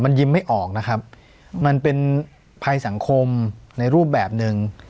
ยิ้มไม่ออกนะครับมันเป็นภัยสังคมในรูปแบบหนึ่ง